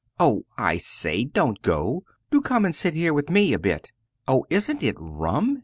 "Oh, I say! don't go. Do come and sit here with me a bit. Oh, isn't it rum!